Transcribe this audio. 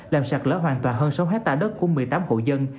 làm sạt lỡ hoàn toàn hơn sáu hectare đất của một mươi tám hộ dân